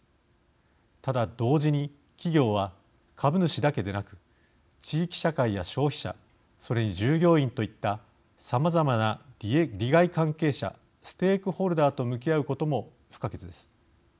ただ、同時に企業は株主だけでなく地域社会や消費者それに従業員といったさまざまな利害関係者・ステークホルダーと向き合うことも不可欠です。